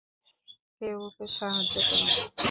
কেউ ওকে সাহায্য করুন!